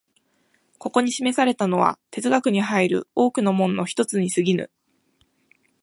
ここに示されたのは哲学に入る多くの門の一つに過ぎぬ。